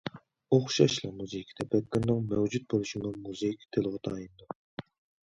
ئوخشاشلا، مۇزىكا تەپەككۇرىنىڭ مەۋجۇت بولۇشىمۇ مۇزىكا تىلىغا تايىنىدۇ.